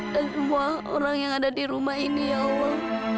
dan semua orang yang ada di rumah ini ya allah